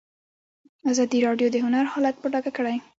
ازادي راډیو د هنر حالت په ډاګه کړی.